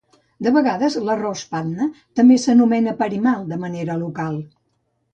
De vegades, l'arròs Patna també s'anomena "Parimal" de manera local.